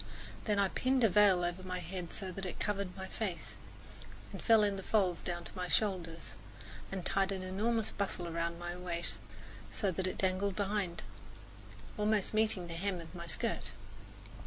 Then I pinned a veil over my head so that it covered my face and fell in folds down to my shoulders, and tied an enormous bustle round my small waist, so that it dangled behind, almost meeting the hem of my skirt.